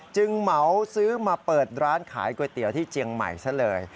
เหมาซื้อมาเปิดร้านขายก๋วยเตี๋ยวที่เจียงใหม่ซะเลย